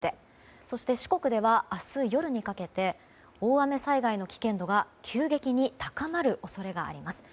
中国地方では明日午後にかけてそして、四国では明日夜にかけて大雨災害の危険度が急激に高まる恐れがあります。